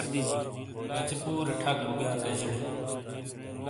بَژی پُورے ٹھَک بو گِیاں کَجی ڑے۔